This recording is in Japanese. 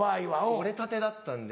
折れたてだったんで。